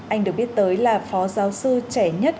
anh được biết tới là phó giáo sư trẻ nhất